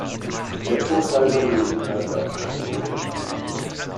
Der Vorfall wurde dem Sicherheitsbeauftragten gemeldet.